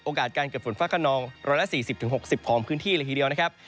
การเกิดฝนฟ้าขนอง๑๔๐๖๐ของพื้นที่เลยทีเดียวนะครับ